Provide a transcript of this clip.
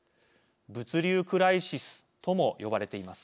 物流クライシスとも呼ばれています。